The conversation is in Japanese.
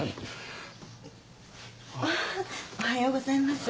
おはようございます。